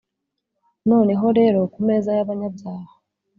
Noneho rero kumeza yabanyabyaha